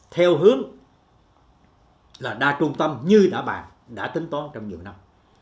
theo hướng là đa trung tâm như đã bàn đã tính toán trong nhiều năm